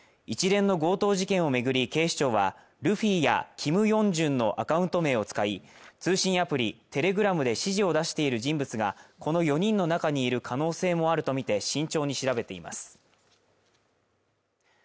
一連の強盗事件をめぐり警視庁はルフィやＫｉｍＹｏｕｎｇ−ｊｕｎのアカウント名を使い通信アプリテレグラムで指示を出している人物がこの４人の中にいる可能性もあるとみて慎重に調べています